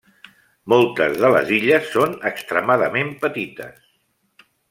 Moltes de les illes són extremadament petites.